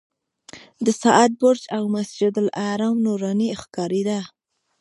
د ساعت برج او مسجدالحرام نوراني ښکارېده.